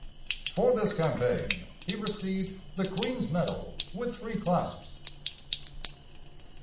For this campaign he received the Queen's Medal with three clasps. VI.